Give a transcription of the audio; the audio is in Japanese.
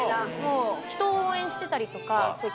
人を応援してたりとか。